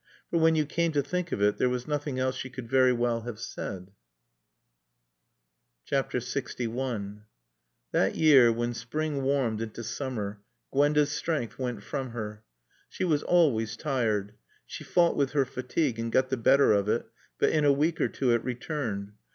For, when you came to think of it, there was nothing else she could very well have said. LXI That year, when spring warmed into summer, Gwenda's strength went from her. She was always tired. She fought with her fatigue and got the better of it, but in a week or two it returned.